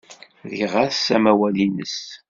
Rriɣ-as amawal-nnes.